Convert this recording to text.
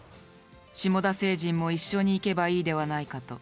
シモダ星人も一緒に行けばいいではないかと。